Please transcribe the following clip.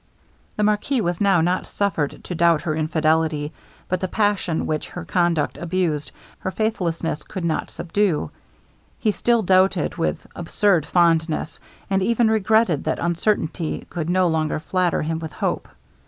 The marquis was now not suffered to doubt her infidelity, but the passion which her conduct abused, her faithlessness could not subdue; he still doated with absurd fondness, and even regretted that uncertainty could no longer flatter him with hope.